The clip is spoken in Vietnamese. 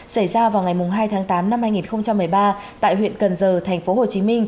xảy ra vào ngày hai tháng tám năm hai nghìn một mươi ba tại huyện cần giờ tp hcm